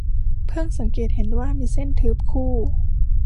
เพิ่งสังเกตเห็นว่ามีเส้นทึบคู่